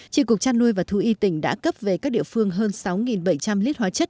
trị cuộc trăn nuôi và thu y tỉnh đã cấp về các địa phương hơn sáu bảy trăm linh lít hóa chất